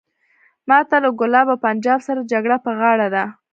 ماته له کولاب او پنجاب سره جګړه په غاړه ده.